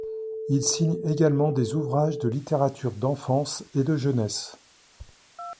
Il signe également des ouvrages de littérature d'enfance et de jeunesse.